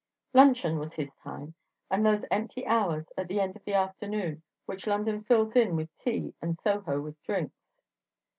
Luncheon was his time, and those empty hours at the end of the afternoon which London fills in with tea and Soho with drinks.